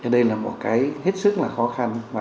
đây là một cái hết sức là khó khăn